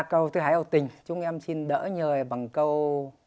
câu thứ hai là tình chúng em xin đỡ nhờ bằng câu